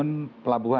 nah dalam modusnya